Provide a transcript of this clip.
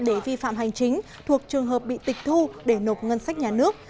để vi phạm hành chính thuộc trường hợp bị tịch thu để nộp ngân sách nhà nước